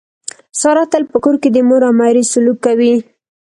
ساره تل په کور کې د مور او میرې سلوک کوي.